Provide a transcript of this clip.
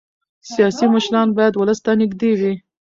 سیاسي مشران باید ولس ته نږدې وي